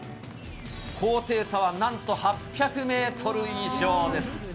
高低差はなんと８００メートル以上です。